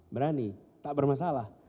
berani tak bermasalah